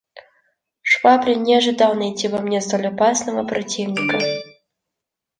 Швабрин не ожидал найти во мне столь опасного противника.